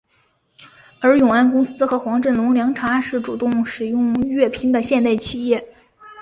而永安公司和黄振龙凉茶是主动使用粤拼的现代企业。